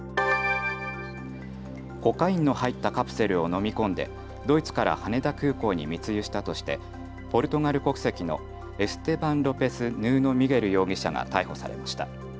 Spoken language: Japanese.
コカインの入ったカプセルを飲み込んでドイツから羽田空港に密輸したとしてポルトガル国籍のエステバン・ロペス・ヌーノ・ミゲル容疑者が逮捕されました。